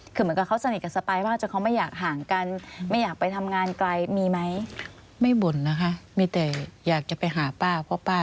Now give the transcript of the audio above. คือเหมือนกับเขาสนิทกับสปายว่าจะเขาไม่อยากห่างกันไม่อยากไปทำงานไกลมีไหม